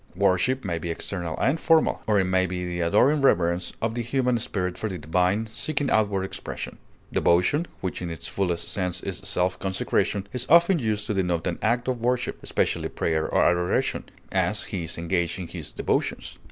Worship may be external and formal, or it may be the adoring reverence of the human spirit for the divine, seeking outward expression. Devotion, which in its fullest sense is self consecration, is often used to denote an act of worship, especially prayer or adoration; as, he is engaged in his devotions.